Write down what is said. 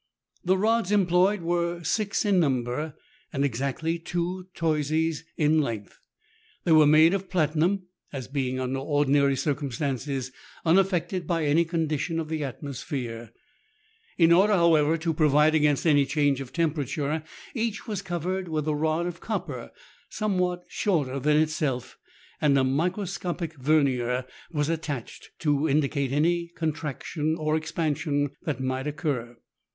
The rods employed were six in number, and exactly two toises in length. They were made of platinum, as being (under ordinary circumstances) unafiected by any condi tion of the atmosphere. In order, however, to provide against any change of temperature, each was covered with a rod of copper somewhat shorter than itself, and a micro scopic vernier was attached, to indicate any contraction or expansion that might occur.